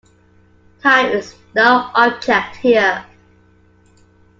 Time is no object here.